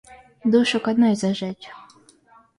Душу к одной зажечь!